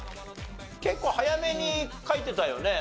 結構早めに書いてたよね？